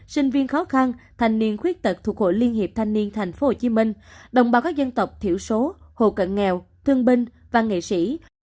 sinh viên khó khăn thanh niên khuyết tật thuộc hội liên hiệp thanh niên thành phố hồ chí minh đồng bào các dân tộc thiểu số hồ cận nghèo thương binh và nghệ sĩ